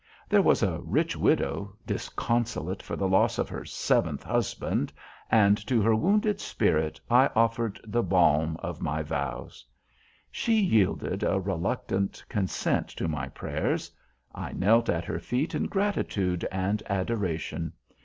There was a rich widow disconsolate for the loss of her seventh husband, and to her wounded spirit I offered the balm of my vows. She yielded a reluctant consent to my prayers. I knelt at her feet in gratitude and adoration.